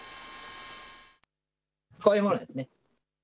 こういうものですね。